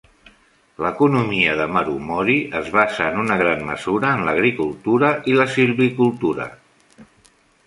L'economia de Marumori es basa en gran mesura en l'agricultura i la silvicultura.